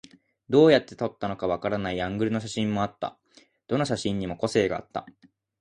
どうやって撮ったのかわからないアングルの写真もあった。どの写真にも個性があった。